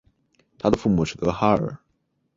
她的父亲是德哈尔。